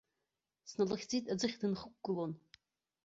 Сналыхьӡеит аӡыхь дынхықәгылон.